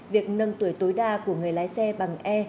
việc nâng tuổi tối đa của người lái xe bằng e